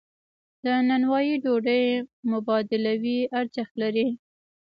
د نانوایی ډوډۍ مبادلوي ارزښت لري.